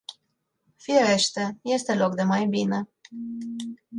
Firește, este loc de mai bine.